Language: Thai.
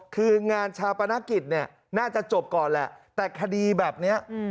คืองานชาปนกิจเนี่ยน่าจะจบก่อนแหละแต่คดีแบบนี้